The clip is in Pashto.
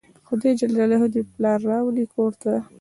خدای ج دې پلار راولي کور ته